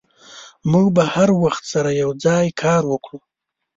موږ به هر وخت سره یوځای کار وکړو.